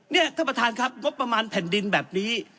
นี่ท่านประธานครับงบประมาณแผ่นดินแบบนี้